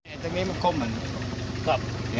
เอาหัวมาเรียกไว้เร็ว